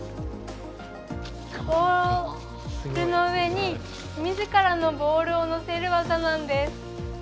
ボールの上に、みずからのボールをのせる技なんです。